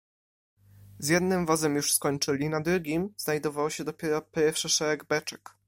"Z jednym wozem już skończyli, na drugim znajdował się dopiero pierwszy szereg beczek."